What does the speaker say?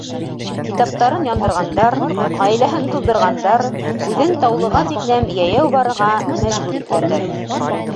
Китаптарын яндырғандар, ғаиләһен туҙҙырғандар, үҙен Таулыға тиклем йәйәү барырға мәжбүр иткәндәр.